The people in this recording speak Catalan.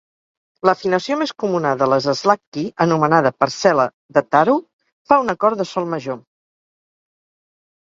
L'afinació més comuna de les slack key, anomenada "parcel·la de taro", fa un acord de sol major.